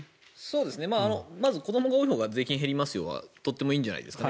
まず子どもが多いほうが税金が減りますよはとてもいいんじゃないですかね。